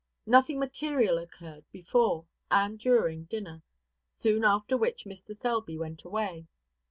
Nothing material occurred before and during dinner, soon after which Mr. Selby went away.